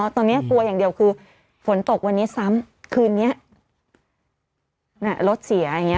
ตอนนี้กลัวอย่างเดียวคือฝนตกวันนี้ซ้ำคืนนี้รถเสียอย่างนี้